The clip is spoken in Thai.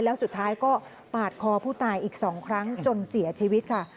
แล้วสุดท้ายก็ปาดคอผู้ตายอีก๒ครั้งจนเสียชีวิตค่ะ